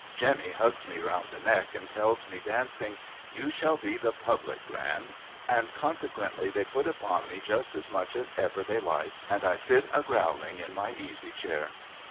' Jemmy hugs me round the neck and tells me dancing, ' You shall be the Public Gran ' and consequently they put upon mc just as much as ever they like and I sit a growling in my easy chair.